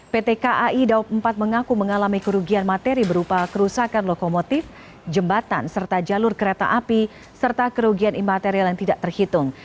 pt kai daob empat mengaku mengalami kerugian materi berupa kerusakan lokomotif jembatan serta jalur kereta api serta kerugian imaterial yang tidak terhitung